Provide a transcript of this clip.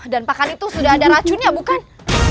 dan pakan itu sudah ada racunnya bukan